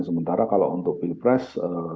sementara kalau untuk pilpres